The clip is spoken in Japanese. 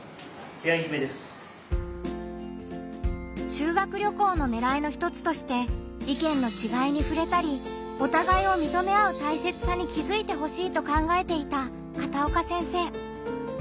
修学旅行のねらいの一つとして意見の違いにふれたりお互いを認め合うたいせつさに気づいてほしいと考えていた片岡先生。